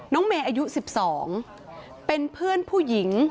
น้องเมย์อายุ๑๒เป็นเพื่อนผู้หญิง